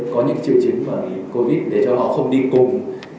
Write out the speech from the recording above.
có những triệu chứng covid để cho họ không đi cùng